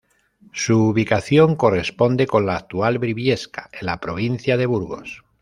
Su ubicación corresponde con la actual Briviesca en la provincia de Burgos.